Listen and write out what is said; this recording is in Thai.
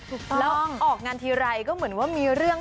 ถูกต้องแล้วออกงานทีลัยก็เหมือนว่ามีเรื่อง